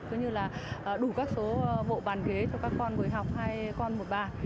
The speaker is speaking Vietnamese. tức như là đủ các số bộ bàn ghế cho các con người học hay con một bà